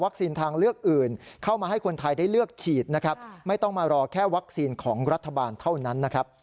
เข้ามาให้คนไทยได้เลือกฉีดไม่ต้องมารอแค่วัคซีนของรัฐบาลเท่านั้น